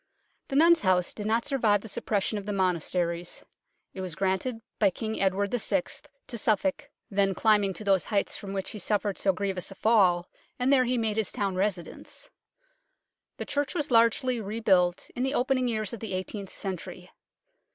The nuns' house did not survive the suppression of the monasteries. It was granted by King Edward VI. to Suffolk, HEAD OF THE DUKE OF SUFFOLK 7 then climbing to those heights from which he suffered so grievous a fall, and there he made his town residence. The church was largely rebuilt in the opening years of the eighteenth century.